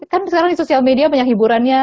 kan sekarang di sosial media banyak hiburannya